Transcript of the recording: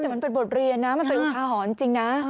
แต่มันเป็นบทเรียนนะมันเป็นอุทาหรณ์จริงนะ